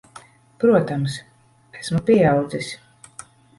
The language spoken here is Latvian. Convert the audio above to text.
Protams. Esmu pieaudzis.